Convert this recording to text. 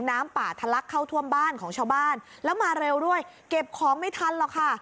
น้ำป่าทะลักเข้าท่วมบ้านของชาวบ้านแล้วมาเร็วด้วยเก็บของไม่ทันหรอกค่ะ